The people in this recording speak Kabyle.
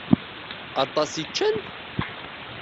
Aṭas i ččan?